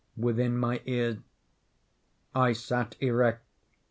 within my ear. I sat erect.